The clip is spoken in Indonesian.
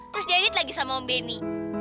terus diedit lagi sama om benny